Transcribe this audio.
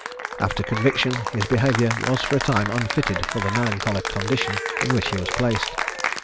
After conviction, his behaviour was for a time unfitted for the melancholy condition in which he was placed.